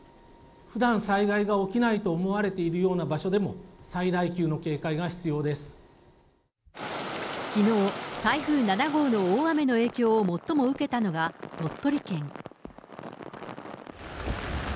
ふだん災害が起きないと思われているような場所でも、最大級の警きのう、台風７号の大雨の影響を最も受けたのが鳥取県。